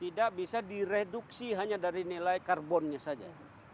tidak bisa direduksi hanya dari nilai karbonnya saja